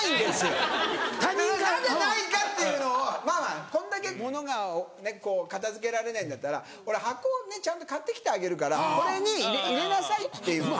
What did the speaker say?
それはなぜないかっていうのを「ママこんだけ物が片付けられないんだったら俺箱をねちゃんと買ってきてあげるからこれに入れなさい」っていうので。